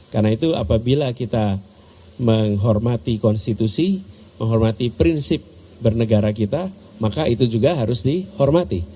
karena itu apabila kita menghormati konstitusi menghormati prinsip bernegara kita maka itu juga harus dihormati